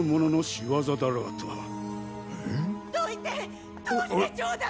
どいて通してちょうだい！